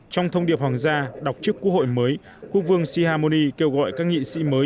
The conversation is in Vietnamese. trong thông điệp hoàng gia đọc trước quốc hội mới quốc vương sihamoni kêu gọi các nghị sĩ mới